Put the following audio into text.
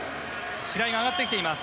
白井が上がってきています。